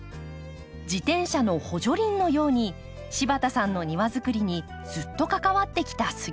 自転車の補助輪のように柴田さんの庭づくりにずっと関わってきた杉井さんです。